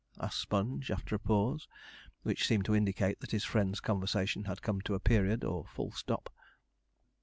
asked Sponge, after a pause, which seemed to indicate that his friend's conversation had come to a period, or full stop.